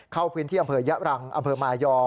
เข้าพื้นที่อำเภอยะรังอำเภอมายอ